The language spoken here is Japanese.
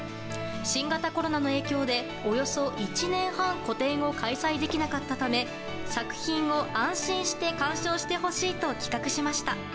新型コロナの影響でおよそ１年半個展を開催できなかったため作品を安心して鑑賞してほしいと企画しました。